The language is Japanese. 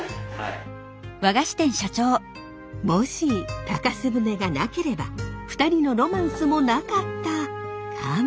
もし高瀬舟がなければ２人のロマンスもなかったかも？